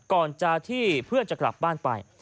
ก่อนจะที่เพื่อนจะกลับบ้านไป